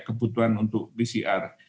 kebutuhan untuk pcr